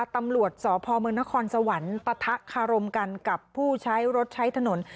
ตำรวจสพมนครสวรรค์ปะทะคารมกันกับผู้ใช้รถใช้ถนน